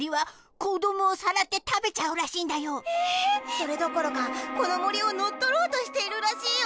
それどころかこのもりをのっとろうとしているらしいよ。